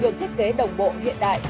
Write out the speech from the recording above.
được thiết kế đồng bộ hiện đại